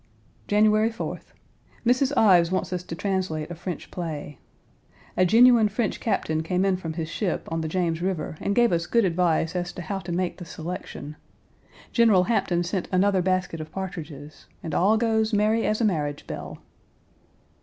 January 4th. Mrs. Ives wants us to translate a French play. A genuine French captain came in from his ship on Page 271 the James River and gave us good advice as to how to make the selection. General Hampton sent another basket of partridges, and all goes merry as a marriage bell.